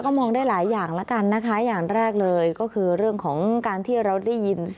ก็มองได้หลายอย่างแล้วกันนะคะอย่างแรกเลยก็คือเรื่องของการที่เราได้ยิน